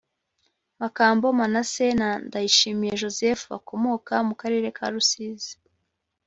Makambo Manase na Ndayishimye Joseph bakomoka mu karere ka Rusizi